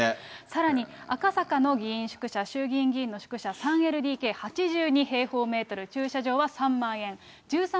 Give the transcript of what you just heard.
さらに、赤坂の議員宿舎、衆議院議員の宿舎、３ＬＤＫ８２平方メートル、駐車場は３万円。